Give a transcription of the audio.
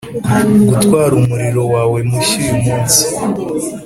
gutwara umuriro wawe mushya uyumunsi